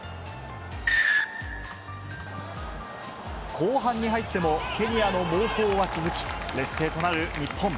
後半に入っても、ケニアの猛攻は続き、劣勢となる日本。